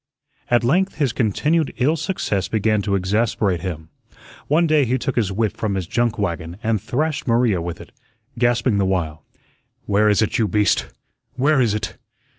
At length his continued ill success began to exasperate him. One day he took his whip from his junk wagon and thrashed Maria with it, gasping the while, "Where is it, you beast? Where is it?